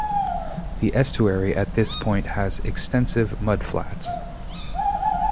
The estuary at this point has extensive mud flats.